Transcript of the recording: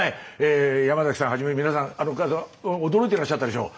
山さんはじめ皆さん驚いてらっしゃったでしょう。